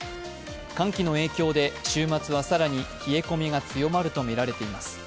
喚起の影響で週末は更に冷え込みが強まるとみられています。